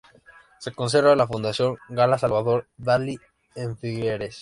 Se conserva en la Fundación Gala-Salvador Dalí en Figueres.